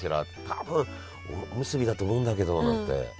多分おむすびだと思うんだけど」なんて。